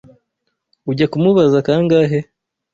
Ujya kumubaza kangahe?